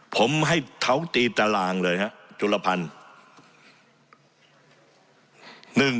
ผมให้เขาตีตารางเลยครับจุลภัณฑ์